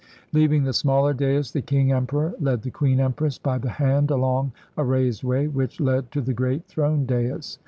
Leaving the smaller dais, the King Emperor led the Queen Empress by the hand along a raised way which led to the great throned dais.